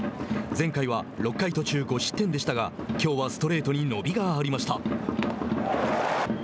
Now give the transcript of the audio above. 前回は、６回途中５失点でしたがきょうはストレートに伸びがありました。